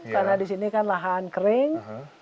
karena di sini kan lahan kering